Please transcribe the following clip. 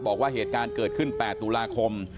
บอกว่าเหตุการณ์เกิดขึ้น๘ตุลาคม